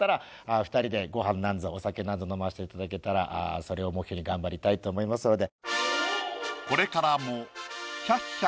なんぞお酒なんぞ飲ましていただけたらそれを目標に頑張りたいと思いますので。